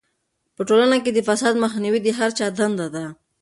په ټولنه کې د فساد مخنیوی د هر چا دنده ده.